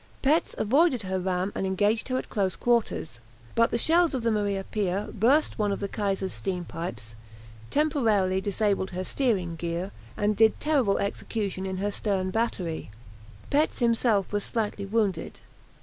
Petz avoided her ram, and engaged her at close quarters, but the shells of the "Maria Pia" burst one of the "Kaiser's" steam pipes, temporarily disabled her steering gear, and did terrible execution in her stern battery. Petz himself was slightly wounded.